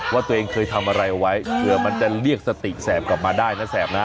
ว่าตัวเองเคยทำอะไรเอาไว้เผื่อมันจะเรียกสติแสบกลับมาได้นะแสบนะ